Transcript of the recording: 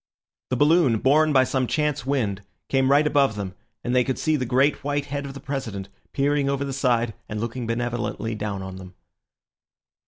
The balloon, borne by some chance wind, came right above them, and they could see the great white head of the President peering over the side and looking benevolently down on them.